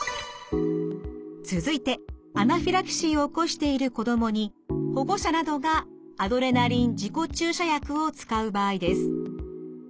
続いてアナフィラキシーを起こしている子どもに保護者などがアドレナリン自己注射薬を使う場合です。